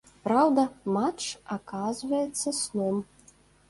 Праўда, матч аказваецца сном.